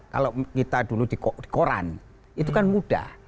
kalau kita dulu di koran itu kan mudah